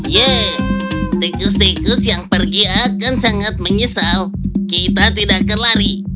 yeay tekus tekus yang pergi akan sangat menyesal kita tidak akan lari